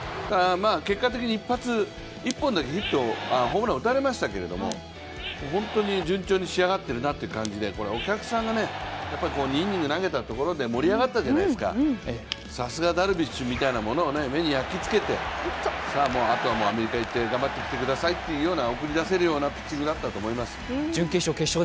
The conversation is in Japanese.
結果的に一発、一本のホームランを打たれましたけど、本当に順調に仕上がってるなという感じで、お客さんがやっぱり２イニング投げたところで盛り上がったじゃないですかさすがダルビッシュみたいなものを目に焼き付けて、あとはもうアメリカに行って頑張ってくださいと送り出せるようなピッチングだったと思います。